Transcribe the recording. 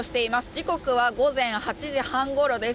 時刻は午前８時半ごろです。